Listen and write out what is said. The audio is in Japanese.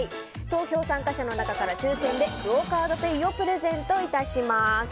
投票参加者の中から抽選でクオ・カードペイをプレゼントいたします。